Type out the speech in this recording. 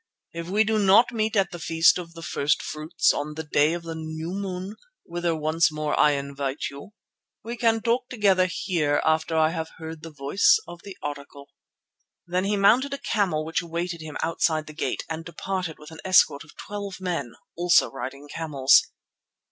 If we do not meet at the Feast of the First fruits on the day of the new moon, whither once more I invite you, we can talk together here after I have heard the voice of the Oracle." Then he mounted a camel which awaited him outside the gate and departed with an escort of twelve men, also riding camels.